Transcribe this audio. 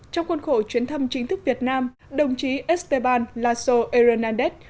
trong khuôn khổ chuyến thăm chính thức việt nam đồng chí esteban lazo hernández